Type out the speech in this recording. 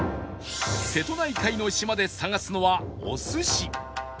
瀬戸内海の島で探すのはお寿司